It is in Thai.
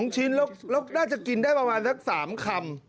๒ชิ้นแล้วน่าจะกินได้ประมาณสัก๓คำ